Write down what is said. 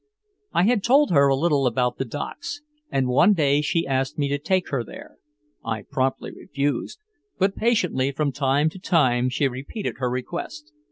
I had told her a little about the docks, and one day she asked me to take her there. I promptly refused, but patiently from time to time she repeated her request.